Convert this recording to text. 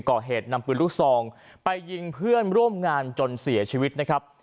ก่อเหตุนำปืนลูกซองไปยิงเพื่อนร่วมงานจนเสียชีวิตนะครับ